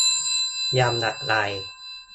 ยำอะไร